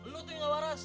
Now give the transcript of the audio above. lo tuh yang gak waras